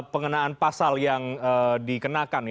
pengenaan pasal yang dikenakan